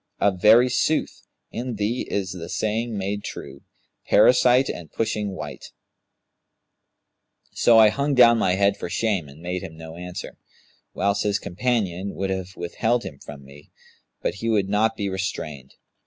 Of very sooth, in thee is the saying made true, Parasite and pushing wight.' So I hung down my head for shame and made him no answer, whilst his companion would have withheld him from me, but he would not be restrained.